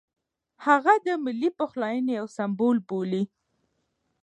هغه د ملي پخلاینې یو سمبول بولي.